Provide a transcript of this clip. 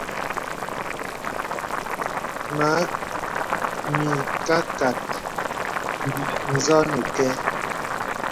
Mə ìkâ kak ǹzɔ̄ nə kɛ̂.